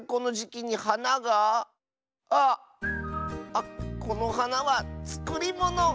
あっこのはなはつくりもの！